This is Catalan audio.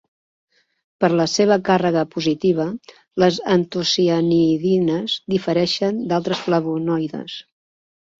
Per la seva càrrega positiva, les antocianidines difereixen d'altres flavonoides.